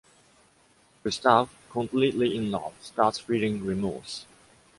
Gustave, completely in love, starts feeling remorse.